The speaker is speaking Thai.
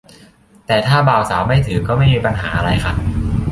แต่ถ้าบ่าวสาวไม่ถือก็ไม่มีปัญหาอะไรค่ะ